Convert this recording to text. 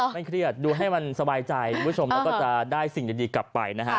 เครียดดูให้มันสบายใจคุณผู้ชมแล้วก็จะได้สิ่งดีกลับไปนะฮะ